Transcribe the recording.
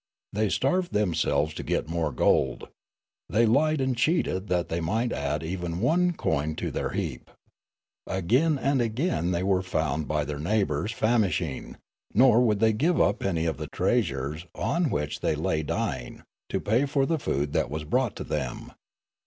They starved themselves to get more gold. They lied and cheated that they might add even one coin to their heap. Again and again were they found by their neighbours famishing ; nor would they give any of the treasures, on which they lay dying, to pay for the food that was brought to them.